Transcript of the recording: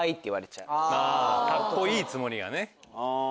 カッコいいつもりがね。